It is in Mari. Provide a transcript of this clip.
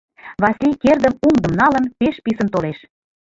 Васлий, кердым, умдым налын, пеш писын толеш.